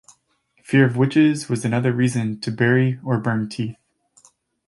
Fear of witches was another reason to bury or burn teeth.